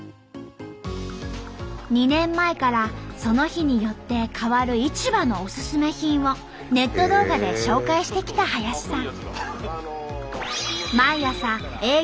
２年前からその日によって変わる市場のおすすめ品をネット動画で紹介してきた林さん。